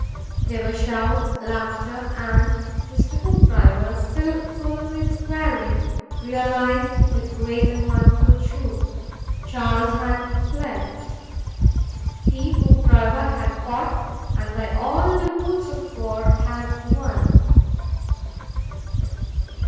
There were shouts, laughter, and Mr. Hoopdriver, still solemnly squaring, realized the great and wonderful truth Charles had fled. He, Hoopdriver, had fought and, by all the rules of war, had won.